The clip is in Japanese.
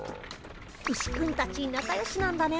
ウシくんたちなかよしなんだね。